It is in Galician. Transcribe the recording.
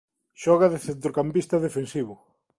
Xoga de centrocampista defensivo.